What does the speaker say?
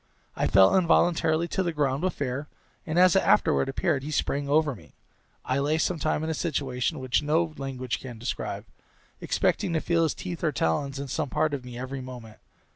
I fell involuntarily to the ground with fear, and, as it afterward appeared, he sprang over me. I lay some time in a situation which no language can describe, expecting to feel his teeth or talons in some part of me every moment.